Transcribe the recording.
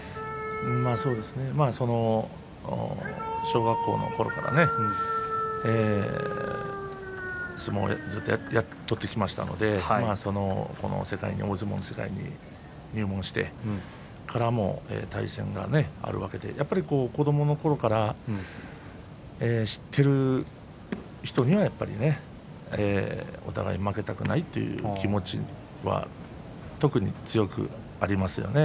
そうですね、小学校のころから相撲をずっと取ってきましたので大相撲の世界に入門してからも対戦があるわけでやはり子どものころから知っている人にはやっぱりねお互い負けたくないという気持ちが特に強くはありますね。